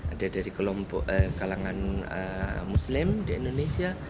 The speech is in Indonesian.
ada dari kelompok kalangan muslim di indonesia